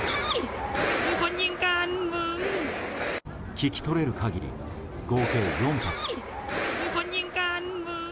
聞き取れる限り、合計４発。